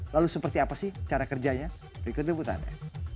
lalu seperti apa sih cara kerjanya berikut liputannya